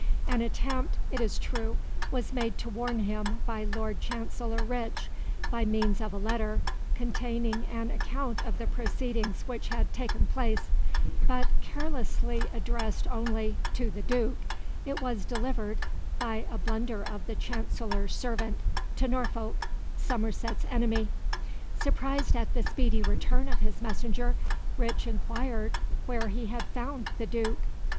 An attempt, it is true, was made to warn him by Lord Chancellor Rich, by means of a letter containing an account of the proceedings which had taken place; but, carelessly addressed only "To the Duke," it was delivered, by a blunder of the Chancellor's servant, to Norfolk, Somerset's enemy. Surprised at the speedy return of his messenger, Rich inquired where he had found "the Duke."